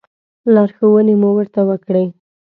لارښوونې مو ورته وکړې.